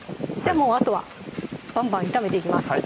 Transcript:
もうあとはバンバン炒めていきます